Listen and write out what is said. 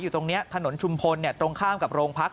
อยู่ตรงนี้ถนนชุมพลเนี่ยตรงข้ามกับโรงพักษณ์